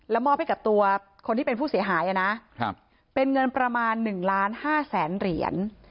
มอบให้กับตัวคนที่เป็นผู้เสียหายนะเป็นเงินประมาณ๑ล้าน๕แสนเหรียญ